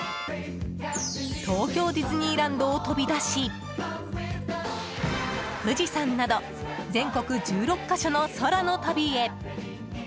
東京ディズニーランドを飛び出し富士山など全国１６か所の空の旅へ。